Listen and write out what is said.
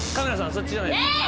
そっちじゃない。